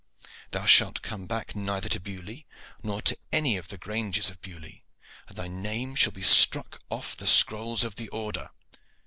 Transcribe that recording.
Thou shalt come back neither to Beaulieu nor to any of the granges of Beaulieu, and thy name shall be struck off the scrolls of the order."